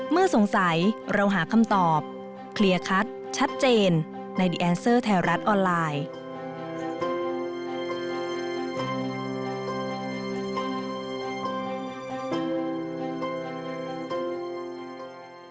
โปรดติดตามตอนต่อไป